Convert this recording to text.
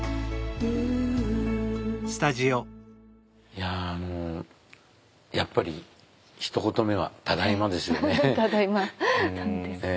いやもうやっぱりひと言目は「ただいま」ですよね。